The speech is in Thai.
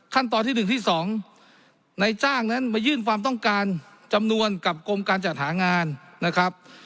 ขั้นตอนที่๑ที่๒ในจ้างนั้นมายื่นความต้องการจำนวนกับกรมการจัดหางานนะครับ